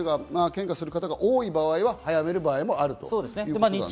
もしくは献花する方が多い場合は早める場合もあるということですね。